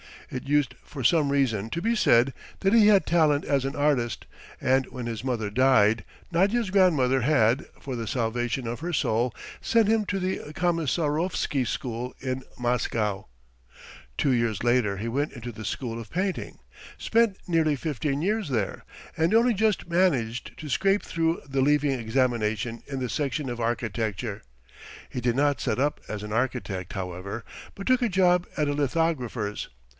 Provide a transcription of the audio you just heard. It used for some reason to be said that he had talent as an artist, and when his mother died Nadya's grandmother had, for the salvation of her soul, sent him to the Komissarovsky school in Moscow; two years later he went into the school of painting, spent nearly fifteen years there, and only just managed to scrape through the leaving examination in the section of architecture. He did not set up as an architect, however, but took a job at a lithographer's.